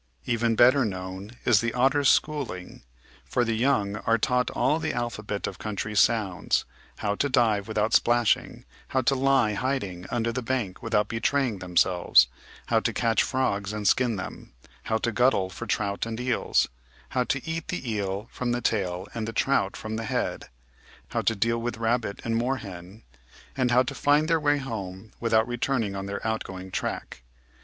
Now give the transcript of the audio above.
Even better known is the Otter's schooling, for the young are taught all the alphabet of country sounds, how to dive without splashing, how to lie hiding under the bank without betraying themselves, how to catch frogs and skin them, how to guddle for trout and eels, how to eat the eel from the tail and the trout from the head, how to deal with rabbit and moorhen, and how to find their way home without returning on their outgoing track.